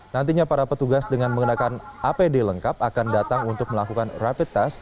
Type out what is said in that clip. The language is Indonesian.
nantinya para petugas dengan menggunakan apd lengkap akan datang untuk melakukan rapid test